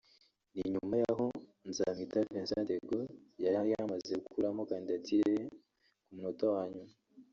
ni nyuma y’aho Nzamwita Vincent de Gaulle yari yamaze gukuramo kandidatire ye ku munota wa nyuma